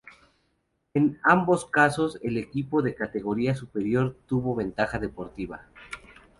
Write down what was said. En ambos casos el equipo de la categoría superior tuvo ventaja deportiva.